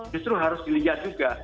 justru harus dilihat juga